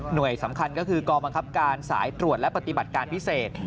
สำคัญก็คือกองบังคับการสายตรวจและปฏิบัติการพิเศษ